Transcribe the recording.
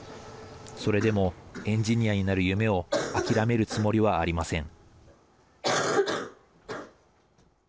それでもエンジニアになる夢を諦めるつもりはありません。